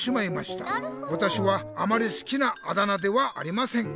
わたしはあまり好きなあだ名ではありません。